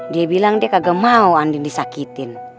dia bilang dia nggak mau andin disakiti